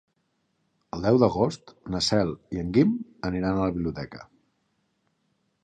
El deu d'agost na Cel i en Guim aniran a la biblioteca.